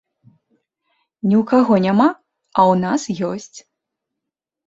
Ні ў каго няма, а ў нас ёсць.